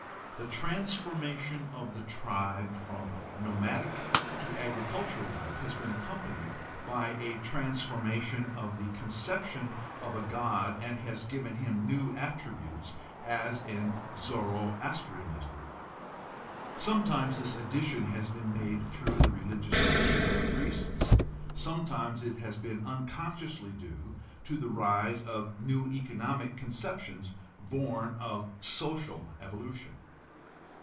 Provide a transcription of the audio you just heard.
The trans formation of the tribe from nomadic to agricultural life has been accompanied by a transformation of the conception of a god and has given him new attributes, as in Zoroastrianism. Sometimes this addition has been made through the religious teachers or the priests; sometimes it has been unconsciously due to the rise of new economic conceptions born of social evolution.